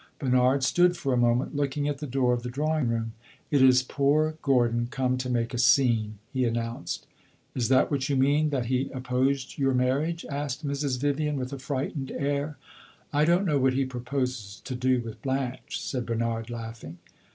Bernard stood for a moment looking at the door of the drawing room. "It is poor Gordon come to make a scene!" he announced. "Is that what you mean that he opposed your marriage?" asked Mrs. Vivian, with a frightened air. "I don't know what he proposes to do with Blanche," said Bernard, laughing.